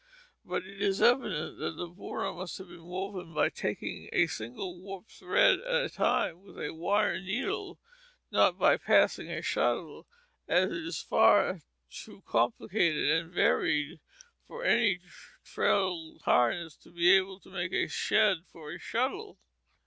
But it is evident that the border must have been woven by taking up a single warp thread at a time, with a wire needle, not by passing a shuttle, as it is far too complicated and varied for any treadle harness to be able to make a shed for a shuttle.